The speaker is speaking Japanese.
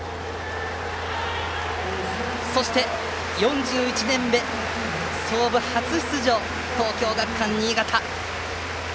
そして、創部４１年で初出場の東京学館新潟。